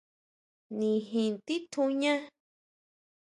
Nijin titjuñá.